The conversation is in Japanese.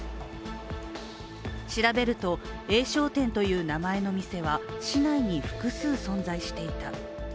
調べると、Ａ商店という名前の店は市内に複数存在していた。